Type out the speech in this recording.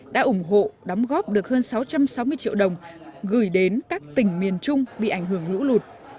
đã ủng hộ đóng góp được hơn sáu trăm sáu mươi triệu đồng gửi đến các tỉnh miền trung bị ảnh hưởng lũ lụt